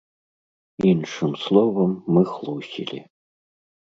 Іншым словам, мы хлусілі.